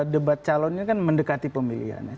debat calonnya kan mendekati pemilihannya